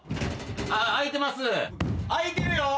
・開いてるよ！